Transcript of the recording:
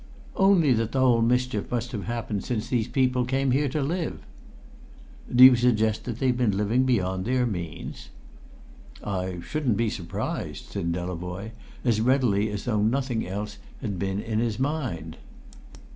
"Only that the whole mischief must have happened since these people came here to live!" "Do you suggest that they've been living beyond their means?" "I shouldn't be surprised," said Delavoye, as readily as though nothing else had been in his mind.